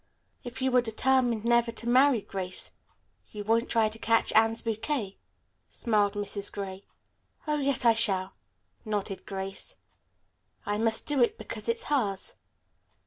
"If you are determined never to marry, Grace, you won't try to catch Anne's bouquet," smiled Mrs. Gray. "Oh, yes, I shall," nodded Grace. "I must do it because it's hers.